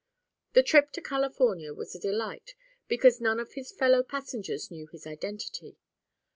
The trip to California was a delight because none of his fellow passengers knew his identity.